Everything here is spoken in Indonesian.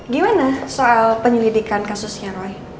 gimana soal penyelidikan kasusnya roy